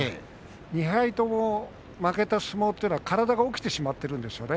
２敗とも負けた相撲は体が起きてしまっているんですよね。